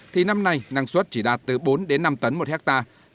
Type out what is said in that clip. thì năm nay năng suất chỉ đạt từ bốn đến năm tấn một hectare